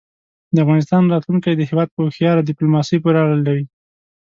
د افغانستان راتلونکی د هېواد په هوښیاره دیپلوماسۍ پورې اړه لري.